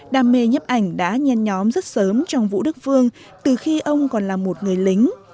đam mê nhiếp ảnh đã nhanh nhóm rất sớm trong vũ đức phương từ khi ông còn là một người lính